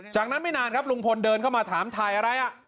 จากนั้นไม่นานครับลุงพลเดินเข้ามาถามถ่ายอะไร